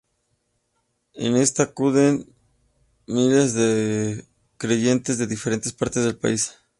A esta acuden miles de creyentes de diferentes partes del país.